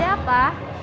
mas ada apa